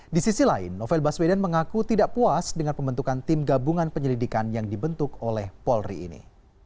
di sisi lain novel baswedan mengaku tidak puas dengan pembentukan tim gabungan penyelidikan yang dibentuk oleh polri ini